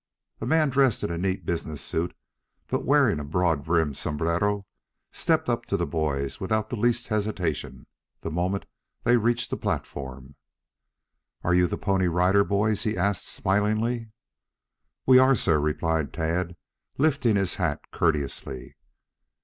A man dressed in a neat business suit, but wearing a broad brimmed sombrero stepped up to the boys without the least hesitation, the moment they reached the platform. "Are you the Pony Rider Boys?" he asked smilingly. "We are, sir," replied Tad, lifting his hat courteously.